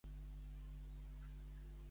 Qui diuen les noies que s'acosta?